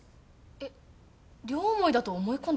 えっ両思いだと思い込んでるって事？